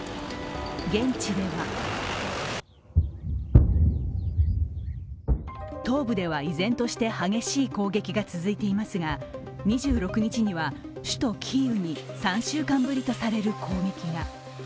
現地では東部では依然として激しい攻撃が続いていますが２６日には首都キーウに３週間ぶりとされる攻撃が。